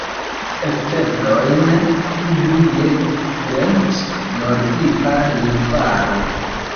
Ekzemplojn vidu je Okcident-nordia lingvaro.